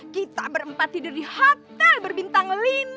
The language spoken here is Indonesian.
kita berempat tidur di hotel berbintang lima